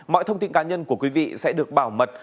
mọi thông tin cá nhân của quý vị sẽ được bảo mật